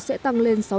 sẽ tăng lên sáu nhóm